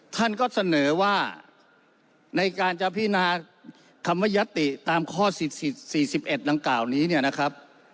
ท่านก็เสนอว่าในการจะพินาคำว่ายัตติตามข้อ๔๑ดังกล่าวนี้เนี่ยนะครับ